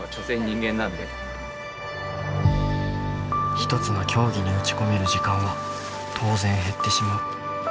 １つの競技に打ち込める時間は当然減ってしまう。